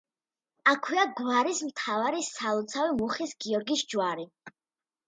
აქვეა გვარის მთავარი სალოცავი მუხის გიორგის ჯვარი.